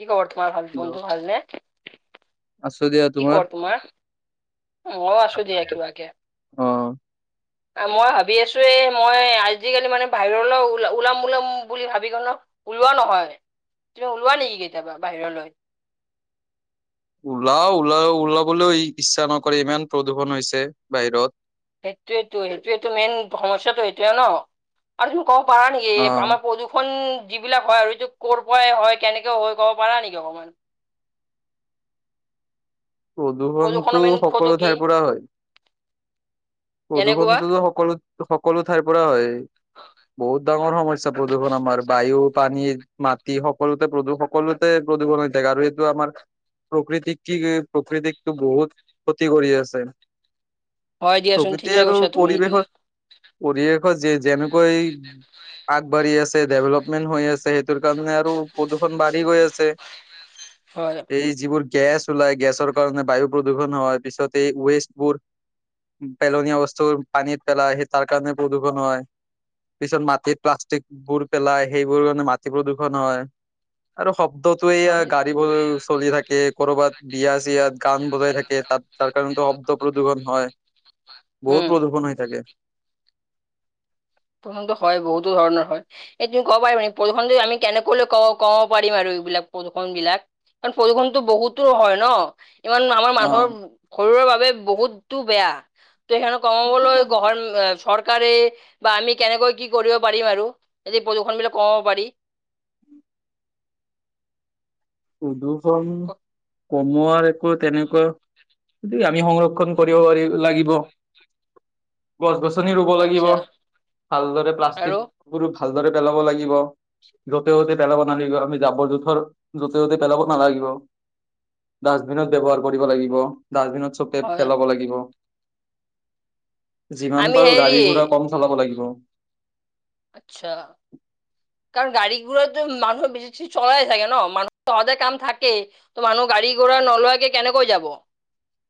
কি খবৰ তোমাৰ, ভাল বন্ধু ভাল নে? আছোঁ দিয়া তোমাৰ? অ অ আছো দিয়া কিবাকে অ [unintelligible] মই ভাবি আছো এ মই আজিকালি মানে বাহিৰলৈ ওলাম ওলাম বুলি ভাবি ক ন। [unintelligible] ওলোৱা নহয় তুমি ওলোৱা নেকি কেতিয়াবা বাহিৰলৈ ওলাও ওলাও ওলাবলৈও ইচ্ছা নকৰে ইমান প্ৰদূষণ হৈছে বাহিৰত সেইটোয়েটো সেইটোয়টোৱেটো মেইন সমস্যা টো সেইটোয়ে ন আৰু ক'ব পাৰা নেকি অ আমাৰ প্ৰদূষণ। যিবিলাক হয় আৰু [unintelligible] ক'ৰ পৰাই হয় কেনেকৈ হয় ক'ব পাৰা নেকি অকমান [inaudible] প্ৰদূষণৰ প্ৰদূষণটো মেইন উৎসটো সকলো কি? ঠাইৰ পৰা হয় যেনেকুৱা প্ৰদূষণটোতো সকলো সকলো ঠাইৰ পৰা হয় বহুত ডাঙৰ সমস্যা প্ৰদূষণ আমাৰ বায়ু পানী মাটি সকলোতে প্ৰদূষন সকলোতে প্ৰদূষণ হৈ থাকে আৰু এইটো আমাৰ [unintelligible] প্ৰকৃতিক কি প্ৰকৃতিকটো বহুত ক্ষতি কৰি আছে। হয় দিয়াচোন প্ৰকৃতি ঠিকেই আৰু কৈছা তুমি এইটো পৰিৱেশত পৰিৱেশত যে যেনো [unintelligible] [inaudible] আগবাঢ়ি আছে, ডেভেলপমেণ্ট হৈ আছে। সেইটোৰ কাৰণে আৰু প্ৰদূষণ বাঢ়ি গৈ আছে। হয় এই যিবোৰ গেছ ওলাই গেছৰ কাৰণে বায়ু প্ৰদূষণ হয়। পিছত এই ৱেষ্টবোৰ পেলনীয়া বস্তু পানীত পেলাই সেই তাৰ কাৰণে প্ৰদূৰষণ হয় পিছত মাটিত প্লাষ্টিক বোৰ পেলাই সেইবোৰ কাৰণে মাটি প্ৰদূষণ হয় আৰু শব্দতে হয় গাড়ী বজ চলি থাকে কৰ'ৰবাত বিয়া চিয়াত গান বজাই থাকে তাত ত কাৰণ শব্দ প্ৰদূৰষণ হয় উম। বহুত প্ৰদূৰষণ হৈ থাকে প্ৰদূষণটো হয় বহুতো ধৰণৰ হয় এই তুমি ক'ব পাৰিবা প্ৰদূষণটো আমি কেনেকৈনো ক কমাব পাৰিম আৰু এইবিলাক প্ৰদূৰ্ষন বিলাক কাৰণ প্ৰদূৰ্ষণতো বহুতো হয় ন। ইমান আমাৰ অ মানুহৰ শৰীৰৰ বাবে বহুতো বেয়া সখখন কমাব গভৰ্ণমেণ্ট চৰকাৰে [unintelligible] বা আমি কেনেকৈ কি কৰিব পাৰিম আৰু যদি প্ৰদূ্ষণ বিলাক কমাব পাৰি [inaudible] উদুষম [unintelligible] কমোৱাৰ একো তেনেকুৱা গে আমি সংৰক্ষণ কৰিব পাৰি লাগিব। [unintelligible] গছ-গছনি ৰুব লাগিব আচ্ছা ভালদৰে আৰু প্লাষ্টিক ভালদৰে পেলাব লাগিব য'তে যতে পেলাব নালাগিব আমি জাবৰ জোথৰ য'তে য'তে বেলগত নালাগিব ডাষ্টবিনত ব্যৱহাৰ কৰিব লাগিব ডাষ্টবিনত [unintelligible] হয় ফেলাব লাগিব। যিমান আমি পাৰো হেৰি গাড়ী ঘোৰা কম চলাব লাগিব। আচ্ছা। কাৰণ গাড়ী ঘোৰাতো মানুহে বেছি ছি চলাই থাকে ন মানুহ ত কাম থাকে ত মানুহ গা়ড়ী ঘোৰা নলোৱাকে কেনেকৈ যাব?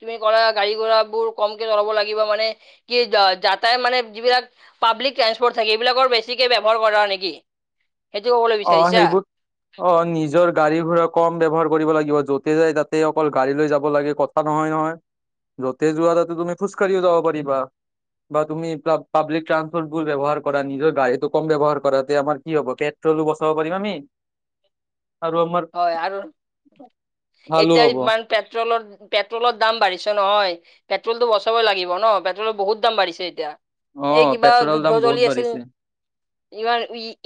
তুমি কৰা গাড়ী ঘোৰা বোৰ কমকে চলাব লাগিব মানে কি যা - যাতায় মানে যিবিলাক পাব্লিক ট্ৰানচপৰ্ট থাকে এইবিলাকৰ বেছিকে ব্যৱহাৰ কৰা নেকি? সেইটো ক'বলৈ অ' বিচাৰিছা সেইবোৰত অ' নিজৰ গাড়ী ঘোৰা কম ব্যৱহাৰ কৰিব লাগি গিব। য'তে যাই তাতে অকল গাড়ী লৈ যাব লাগে কথা নহয় নহয়। যতেই যোৱা তাতো তুমি খোজকাঢ়িও যাব পাৰিবা। বা তুমি প্লা - পাব্লিক ট্ৰানচপৰ্ট বোৰ ব্যৱহাৰ কৰা। নিজৰ গাড়ীটো কম ব্যৱহাৰ কৰা তে আমাৰ কি হব। [unintelligible] [unintelligible] বচাব পাৰিম আমি। আৰু আমাৰ হয় আৰু? ভালো এতিয়া হ'ব ইমান পেট্ৰলৰ - পেট্ৰলৰ দাম বাঢ়িছে নহয়। পেট্ৰলটো বচাবই লাগিব ন! পেট্ৰলৰ বহুত দাম বাঢ়িছে এতিয়া। অ এই কিবা পেট্ৰলৰ দাম যুদ্ধ বহুত চলি আছিল। বাঢ়িছে ইমান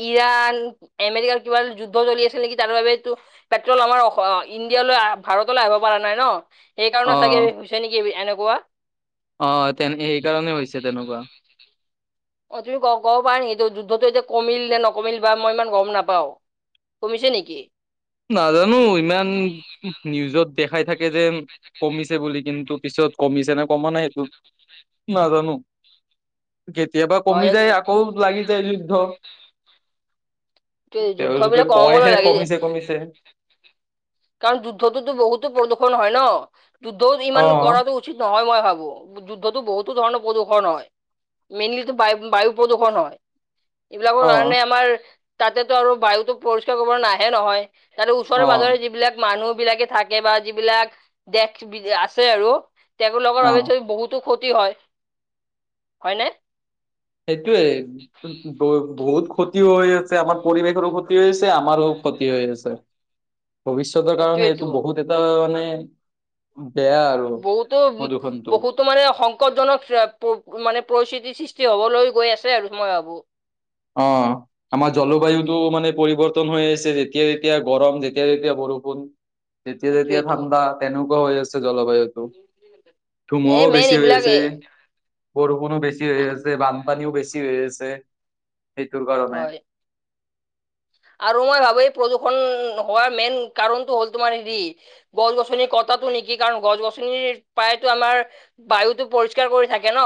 ইৰাণ, এমেৰিকাৰ কিবা যুদ্ধ চলি আছিল নেকি তাৰ বাবে টু, পেট্ৰল আমাৰ অস ইণ্ডিয়ালৈ ভাৰতলৈ আইভা পাৰা নাই ন। অ সেইকাৰণে চাগে হৈছে নেকি এবি এনেকুৱা! অ' তেন সেইকাৰণে হৈছে তেনেকুৱা। অ' তুমি ক - কব পাৰা নেকি যু - যুদ্ধতটো এতিয়া কমিল নে নকমিল বা মই ইমান গম নাপাওঁ। কমিছে নেকি? নাজানো ইমান নিউজত দেখাই থাকে যে কমিছে বুলি কিন্তু পিছত কমিছে নে কমা নাই সেইটো নাজানো। কেতিয়াবা অ কমি যায় আকৌ লাগি যায় যুদ্ধ। [unintelligible] যুদ্ধ তেওঁলোকে বিলাক কমাবলৈ কয়হে লাগে যে কমিছে কমিছে কাৰণ যুদ্ধতটো বহুতো প্ৰদূষণ হয় ন! যুদ্ধও অ ইমান কৰাটো উচিত নহয় মই খাব, যুদ্ধতো বহুতো ধৰণৰ প্ৰদূষণ হয়। মেইনলিটো বা - বায়ু প্ৰদূষণ হয়। এইবিলাকৰ অ কাৰণে আমাৰ তাতেতো আৰু বায়ুতো পৰিষ্কাৰ কৰিব নাহে নহয়। তাৰে ওচৰে অ পাজৰে যি মানুহ বিলাকে থাকে বা যিবিলাক দেশ বি আছে আৰু তেগু লগৰ অ বাবে তো বহুতো ক্ষতি হয়, হয়নে ‌? সেইটোয়ে ব - বহুত ক্ষতিও হৈ আছে। আমাৰ পৰিৱেশৰো ক্ষতি হৈ আছে, আমাৰো ক্ষতি হৈ আছে। ভৱিষ্যতৰ কাৰণে এইটো সেইটোৱেইটো বহুত এটা মানে‌ বহুতো - বহুতো মানে সংকটজনক [unintelligible] মানে প্ৰচিত [unintelligible] সৃষ্টি হ'বলৈ গৈ আছে আৰু মই ভাবো। অ' আমাৰ জলবায়ুতটো মানে পৰিৱৰ্তন হৈ আছে, যেতিয়া তেতিয়া গৰম যেতিয়া তেতিয়া বৰষুণ, যেতিয়া তেতিয়া সেইটোৱেইটো ঠাণ্ডা তেনেকুৱা হৈ আছে জলবায়ুতটো। এই ধুমুহাও মেইন বেছি হৈ এইবিলাক আছে। বৰষুণো বেছি হৈ আছে, বানপানীও বেছি হৈ আছে। সেইটোৰ কাৰণে। হয় আৰু মই ভাবো এই প্ৰদূষণ হোৱাৰ মেইন কাৰণটো হ'ল তোমাৰ হেৰি গছ গছনিৰ কটা টো নেকি কাৰণ গছ গছনিৰ প্ৰায়তো আমাৰ বায়ুটো পৰিষ্কাৰ কৰি থাকে ন!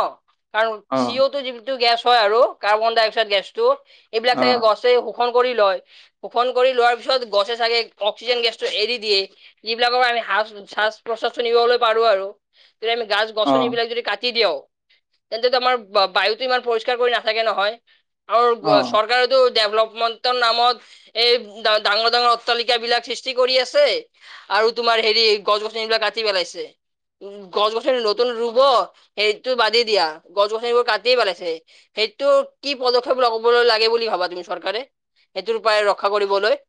কাৰণ চি অ' টো যিনটো গেছ হয় আৰু কাৰ্বন ডাই অক্সাইড গেছ টো এইবিলাক অ চাগে গছে শো ষন কৰি লয়। শোষণ কৰি লোৱাৰ পিছত গছে চাগে অক্সিজেন গেছটো এৰি দিয়ে যিবিলাকৰ [unintelligible] শ্বাচ প্ৰসাদ চুনিবলৈ পাৰো আৰু যদি আমি গাছ অ গছনি বিলাক যদি কাটি দিঅঁ তেন্তেটো আমাৰ ব - বায়ুতো ইমান পৰিষ্কাৰ কৰি নাথাকে নহয় আৰু অ চৰকাৰে টো ডেভেলপমেণ্টৰ নামত এই ডাঙৰ ডাঙৰ অট্টালিকা বিলাক সৃষ্টি কৰি আছে আৰু তোমাৰ হেৰি গছ গছনি বিলাক কাটি পেলাইছে। গছ গছনি নতুন ৰুব সেইটো বাদি দিয়া গছ গছনিবোৰ কাটিয়ে পেলাইছে। এইটো কি পদক্ষেপ লব লাগে বুলি ভাবা তুমি চৰকাৰে। টোৰ উপায় ৰক্ষা কৰিবলৈ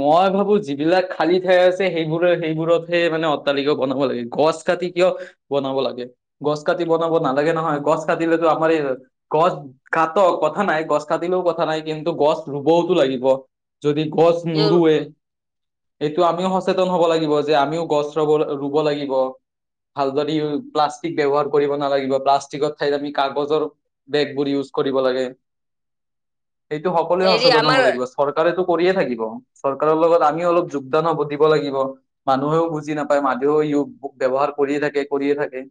মই ভাবো যিবিলাক খালী ঠাই আছে সেইবোৰ সেইবোৰতহে মানে অট্টালিকা বনাব লাগে গছ গছ কাটি কিয় বনাব লাগে গছ কাটি বনাব নালাগে নহয় গছ কাটিলেতো আমাৰ এই গছ কাট কথা নাই গছ কাটিলেও কথা নাই কিন্তু গছ ৰুবওতো লাগিব যদি গছ নৰুৱে এইটো আমিও সচেতন হব লাগিব যে আমিও গছ ৰুব ৰুব লাগিব, ভালদৰি ইউ প্লাষ্টিক ব্যৱহাৰ কৰিব নালাগিব প্লাষ্টিকত ঠাইত আমি কাগজৰ বেগবোৰ ইওজ, কৰিব লাগে। [inaudible] এইটো সকলোৱে হেৰি সচেতন হ'ব আমাৰ লাগিব চৰকাৰেতটো কৰিয়ে থাকিব। চৰকাৰৰ লগত আমিও অলপ যোগদান হ দিব লাগিব মানুহেও বুজি নাপায় মানুহেও ই বুক ব্যৱহাৰ কৰিয়ে থাকে কৰিয়ে থাকে।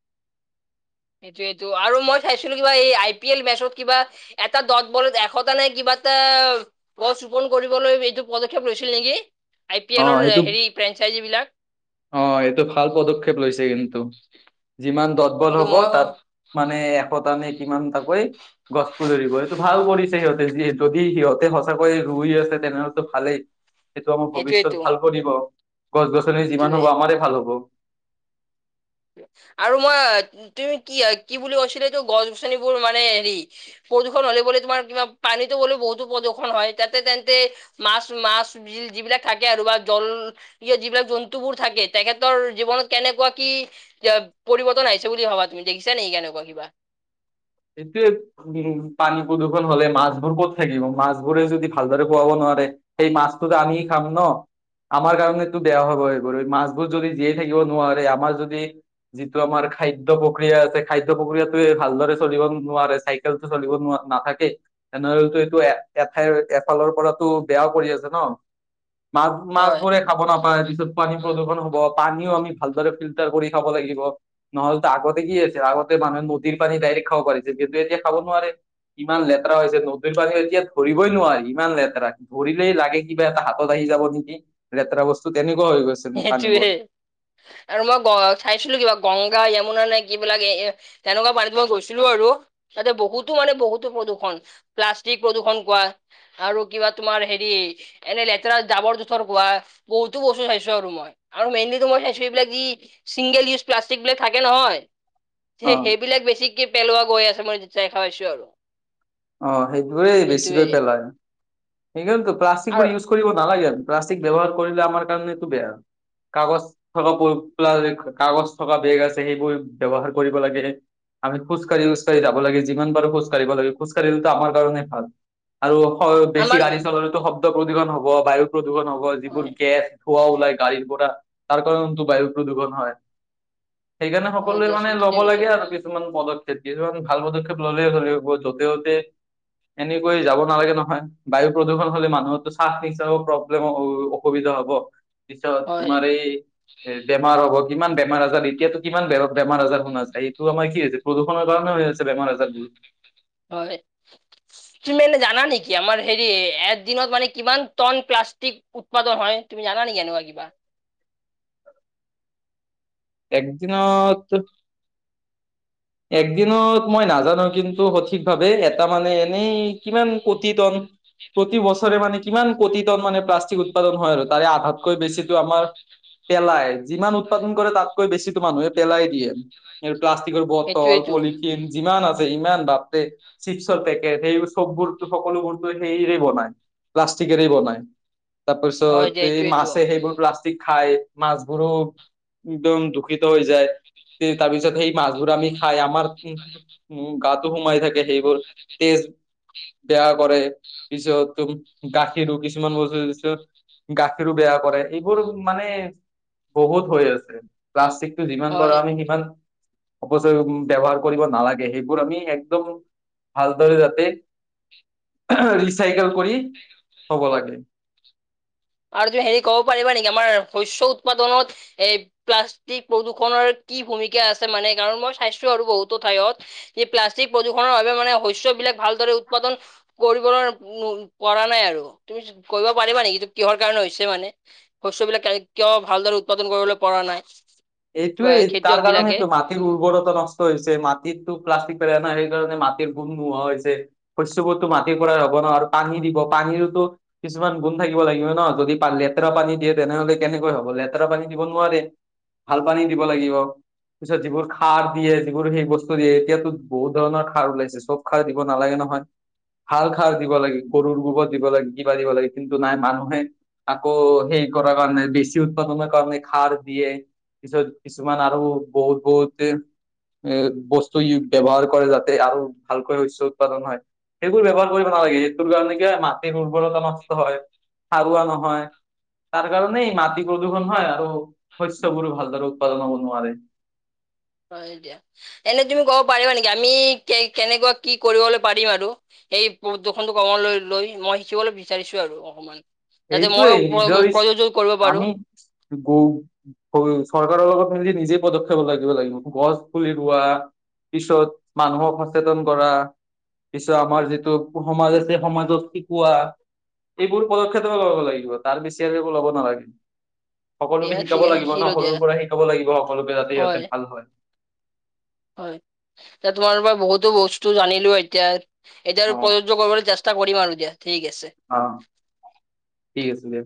[inaudible] সেইটোৱেইটো আৰু মই চাইছিলো কিবা এই আই পি এল মেচত কিবা এটা দত বলত এশটা নাই কিবা গছ ৰোপন কৰিবলৈ এইটো পদক্ষেপ লৈছিল নেকি? আই পি অ এলৰ সেইটো হেৰি ফ্ৰেঞ্চাইজি বিলাক অ এইটো ভাল পদক্ষেপ লৈছে কিন্তু যিমান দতবল এইটো হ'ব মই তাত মানে এশটা নে কিমানটাকৈ গছ পুলি ৰুব এইটো ভালও পৰিছে সিহঁত। যদি সিহঁতে সঁচাকৈয়ে ৰুই আছে তেনে হ'লেটো ভালেই সেইটো আমাৰ ভৱিষ্- ত সেইটোৱেটো ভাল কৰিব, গছ গছনি যিমান সেইটোৱে। হ'ব আমাৰ ভাল হ'ব। আৰু মই তুমি কি কি বুলি কৈছিলেটো গছ গছনিবোৰ মানে হেৰি প্ৰদূষণ হ'লে বুলি তোমাৰ কিবা পানীতো হ'লেও বহুতো প্ৰদূষণ হয় তাতে তেন্তে মাছ মাছ বি- যিবিলাক থাকে আৰু বা জল যিবিলাক জন্তুবোৰ থাকে তেখেতৰ জীৱনত কেনেকুৱা কি পৰিৱৰ্তন আহিছে বুলি ভাবা তুমি দেখিছা নে কেনেকুৱা কিবা। সেইটোয়ে, উম 'পানী প্ৰদূষণ হলে মাছবোৰ ক'ত থাকিব। মাছ বোৰে যদি ভালদৰে খোৱাব নোৱা- ততে সেই মাছটোত আমি খাম ন। আমাৰ কাৰণেটো বেয়া হ'ব মাছবোৰ যদি জীয়াই থাকিব নোৱাৰে আমাৰ যদি। যিটো আমাৰ খাদ্য প্ৰক্ৰিয়া আছে খাদ্য প্ৰক্ৰিয়াতোৱে ভালদৰে। চলিব নোৱাৰে চাইকেলটো চলিব ন নাথাকেই তেনেহলেতো এইটো এ এঠাইৰ এফালৰ পৰা টো বেয়াও কৰি আছে ন মাছ মাছ হয় বোৰে খাব নাপায় পিছত পানী প্ৰদূষণ হব। পানীও আমি ভালদৰে ফিল্টাৰ কৰি খাব লাগিব নহ'লেতো আগতে কি আছে আগতে মানুহে নদীৰ পানী ডাইৰেক্ট খাব পাৰিছে। কিন্তু এতিয়া খাব নোৱাৰে। ইমান লেতেৰা হৈছে নদীৰ পানী এতিয়া ধৰিবই নোৱাৰি ইমান লেতেৰা ধৰিলেই লাগে কিবা এটা হাতত আহি যাব নেকি লেতেৰা বস্তু তেনে সেইটোৱেই আৰু মই গ চাইছিলো কিবা গংগ যমুনা নে কি বিলাক এ তেনেকুৱা পানী মই গৈছিলো আৰু তাতে বহুতো মানে বহুতো প্ৰদূষণ। প্লাষ্টিক প্ৰদূৰষণ কৰা আৰু কিবা তোমাৰ হেৰি এনে লেতেৰা জাবৰ জোথৰ কোৱা বহুতো বস্তু চাই চ আৰু মই মেইনলি মই চাইছো এইবিলাক যি চিংগল ইউজ প্লাষ্টিক বিলাক থাকে নহয়। অ', সেইবিলাক বেছিকে পেলোৱা গৈ আছে মই দেখা পাইছো আৰু। অ সেইবাবেই সেইটোৱে বেছিকৈ পেলায় সেইকাৰণেটো প্লাষ্টিকবোৰ আৰু ইউজ কৰিব নালাগে। প্লাষ্টিক ব্যৱহাৰ কৰিলে আমাৰ কাৰণেটো বেয়া কাগজ থকা প্ৰায় কাগজ থকা বেগ আছে সেইবোৰ ব্যৱহাৰ কৰিব লাগে। আমি খোজ কাঢ়ি কাঢ়ি যাব লাগে যিমান পাৰো খোজ কাঢ়িব লাগে। খোজ কাঢ়িলেটো আমাৰ কাৰণে ভাল আৰু বেছি আমাৰ গাড়ী চলালেটো শব্দ প্ৰদূষণ হ'ব বায়ু প্ৰদূ- গৰ যিবোৰ হয় গেছ ধুৱা ওলাই গাড়ীৰ পৰা। তাৰ কাৰণ টো বায়ু প্ৰদূষণ হয়। সেইকাৰণে হয় সকলোৱে মানে দিয়াচোন ঠিকে লব কৈছা লাগে আৰু কিছুমান পদক্ষেপ কিছুমান ভাল পদক্ষেপ ললে। যতে ততে এনেকৈ যাব নালাগে নহয় বায়ু প্ৰদূষণ হলে মানুহতো শ্বাস নিশাস প্ৰব্লেম অসুবিধা- হব পিছত হয় তোমাৰ এই বেমাৰ হ'ব কিমান বেমাৰ আজাৰ এতিয়াাতো কিমান বে বেমাৰ আজাৰ শুনা যায় এইটো আমাৰ কি হৈছে প্ৰদূষণৰ কাৰণে হৈ আছে বেমাৰ আজাৰবোৰ। হয়। তুমি মানে জানা নেকি আমাৰ হেৰি এ দিনত মানে কিমান টন প্লাষ্টিক উৎপাদন হয়। তুমি জানা নেকি এনেকোৱা কিবা? একদিনত- [unintelligible] একদিনত মই নাজানো কিন্তু সঠিক ভাৱে এটা মানে এনেই কিমান কুটি তন প্ৰতি বছৰে মানে কিমান কোটি টা মানে প্লাষ্টিক উৎপাদন হয় আৰু তাৰে আধাতকৈ বেছিতো আমাৰ। পেলাই যিমান উৎপাদন কৰে তাত। বেছি তোমাৰ মানুহে পেলাই দিয়ে এই প্লাষ্টিকৰ বটল সেইটোয়েইটো পলিথিন যিমান আছে। ইমান বাপ্ত চিপছৰ পেকেট সেইবোৰ সববোৰ সকলোবোৰতো সেইৰেই বনায়। প্লাষ্টিকেৰে বনায়। হয় তাৰপিছত যে এই এইটোয়েইটো মাছে সেইবোৰ প্লাষ্টিক খায়। মাছবোৰো একদম দুখিত হৈ যায়। তাৰ পিছত সেই মাছবোৰ আমি খাই আমাৰ উ গাতো সোমাই থাকে সেইবোৰ তেজ- বেয়া কৰে পিছতম গাখীৰো কিছুমান বস্তু পিছত গাখীৰো বেয়া কৰে এইবোৰ মানে বহুত হৈ আছে। প্লাষ্টিকটো যিমান পাৰা হয় সিমান অপচয় ব্যৱহাৰ কৰিব নালাগে সেইবোৰ আমি একদম ভালদৰে যাতে। ৰিচাইকেল কৰি হব লাগে। আৰু তুমি হেৰি ক'ব পাৰিবা নেকি আমাৰ শস্য উৎপাদনত এ প্লাষ্টিক, প্ৰদূৰষণৰ- কি ভূমিকা আছে মানে কাৰণ মই স্বাস্থ্য আৰু বহুতো ঠাইত প্লাষ্টিক প্ৰদূষণৰ বাবে মানে শস্য বিলাক। ভালদৰে উৎপাদন কৰিবলৈ পৰা নাই আৰু তুমি কৰিব পাৰিবা নেকি? কিহৰ কাৰণে হৈছে মানে শস্য বিলাক কিয় ভালদৰে উৎপাদন কৰিবলৈ পৰা নাই। বা এইটোৱেই তাৰ খেতিয়ক বিলাকে কাৰণেইটো মাটিৰ উৰ্বৰতা নষ্ট হৈছে মাটিত। প্লাষ্টিক প নাই সেইকাৰণে মাটিৰ গুণ নোহোৱা হৈছে শস্যবোৰতো, মাটিৰ পৰাই হ'ব ন আৰু পানী দিব পানীৰতো কিছুমান গুণ থাকিব লাগিব ন যদি লেতেৰা পানী দিয়ে তেনেহ'লে কেনেকৈ হ'ব লেতেৰা পানী দিব নোৱাৰে ভাল পানী দিব লাগিব। পিছত যিবোৰ খাৰ দিয়ে যিবোৰ সেই বস্তু দিয়ে এতিয়াতো বহুত ধৰণৰ খাৰ ওলাইছে চব সাৰ দিব নালাগে ন নয় হাল খাৰ দিব লাগে গৰুৰ গোবৰ দিব লাগে কিবা দিব লাগে কিন্তু নাই মানুহে আকৌ হেই কৰাৰ কাৰণে বেছি উৎপাদনৰ কাৰণে খাৰ দিয়ে পিছত কিছুমান আৰু বহুত বহুতে এ বস্তু ব্যৱহাৰ কৰে যাতে আৰু ভালকৈ শস্য উৎপাদন হয় সেইবোৰ ব্যৱহ কৰিব নালাগে সেইটোৰ কাৰণে কি মা উৰ্বৰতা নষ্ট হয় সাৰুৱা নহয় ত কাৰণেই মাটি প্ৰদূষণ হয় আৰু শস্যৰো ভালদৰে উৎপাদন হ'ব নোৱাৰে। হয় এতিয়া এনেই তুমি কব পাৰিবা নেকি আমি কে কেনেকুৱা কি কৰিবলৈ পাৰিম। আৰু সেই প্ৰদূষন কাৰণে লৈ লৈ মই শিকিবলৈ বিচাৰিছো আৰু অকমান তাতে ময় সেইটোৱে নিজৰ ইচ- প্ৰয়োজন আমি গ চৰকাৰৰ লগতদি নিজে পদক্ষেপ লাগিব লাগিব গছ, পুলি ৰোৱা পিছত মানুহক সচেতন কৰা। পিছত আমাৰ যিটো সমাজ আছে সমাজত শিকোৱা এইবোৰ ফলত ল'ব লাগিব তাৰ বিছি একো ল'ব নালাগে। দিয়া সকলোকে ঠিক শিকাব আছে লাগিব ন শিকিলো দিয়া সৰুৰ পৰা শিকাব লাগিব সকলোকে যাতে সিহঁতে ভাল হয় হয় এতি তোমাৰ পৰা বহুতো বস্তু জানিলো এতিয়া এতিয়া অ প্ৰযোজ্য কৰিবলৈ চেষ্টা কৰিম আৰু দিয়া। ঠিক আছে। অ ঠিক আছে দিয়া।